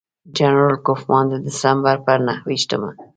جنرال کوفمان د ډسمبر پر نهه ویشتمه.